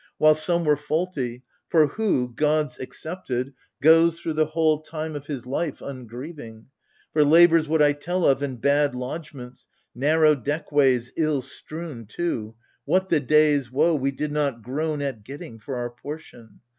While some were faulty : for who, gods excepted, Goes, through the whole time of his life, ungrieving ? For labours should I tell of, and bad lodgments, Narrow deckways ill strewn, too, — what the day's woe We did not groan at getting for our portion